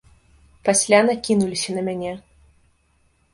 Пасля накінуліся на мяне.